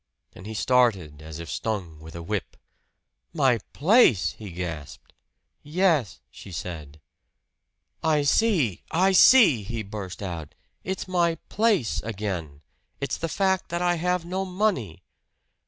And he started as if stung with a whip. "My place!" he gasped. "Yes," she said. "I see, I see!" he burst out. "It's my 'place' again. It's the fact that I have no money!"